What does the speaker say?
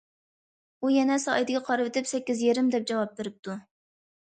ئۇ يەنە سائىتىگە قارىۋېتىپ:‹‹ سەككىز يېرىم›› دەپ جاۋاب بېرىپتۇ.